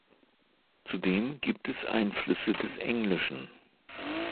Zudem gibt es Einflüsse des Englischen.